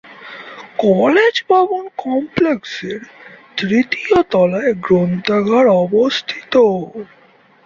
College ভবন কমপ্লেক্সের তৃতীয় তলায় গ্রন্থাগার অবস্থিত।